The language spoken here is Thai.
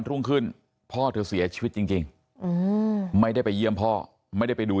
รุ่งขึ้นพ่อเธอเสียชีวิตจริงไม่ได้ไปเยี่ยมพ่อไม่ได้ไปดู